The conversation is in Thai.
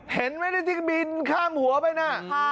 เห็นไหมที่บินข้ามหัวไปนะ